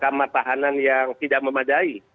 kamar tahanan yang tidak memadai